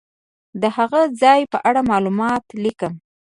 د هغه ځای په اړه معلومات لیکم.